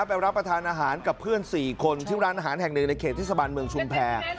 ไปรับประทานอาหารกับเพื่อน๔คนที่ร้านอาหารแห่ง๑ในเขตที่สะบานเมืองชุนแพร